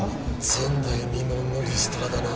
前代未聞のリストラだな。